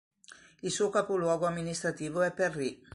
Il suo capoluogo amministrativo è Perry.